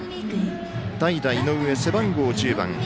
代打、井上、背番号１０番。